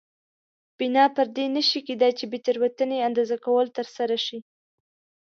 بنا پر دې نه شي کېدای چې بې تېروتنې اندازه کول ترسره شي.